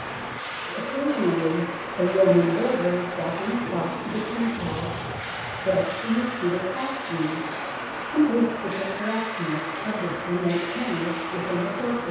Occasionally a yeoman warder walking across to the King's House, dressed in his Tudor costume, completes the pictur esqueness of this remote corner within the fortress.